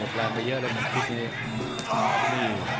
ออกแรงไปเยอะเลยเหมือนคิดนี้